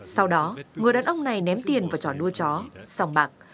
sau đó người đàn ông này ném tiền vào trò nuôi chó sòng bạc